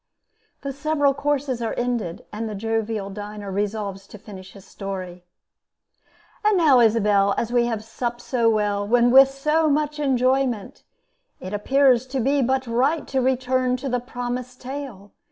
[The several courses are ended, and the jovial diner resolves to finish his story.] And now, Isabel, as we have supped So well, and with so much enjoyment, It appears to be but right To return to the promised tale.